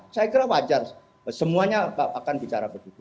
saya kira wajar semuanya akan bicara begitu